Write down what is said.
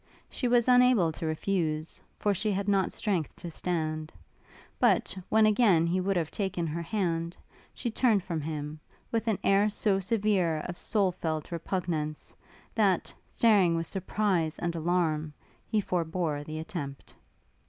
She was unable to refuse, for she had not strength to stand; but, when again he would have taken her hand, she turned from him, with an air so severe of soul felt repugnance, that, starting with surprise and alarm, he forbore the attempt.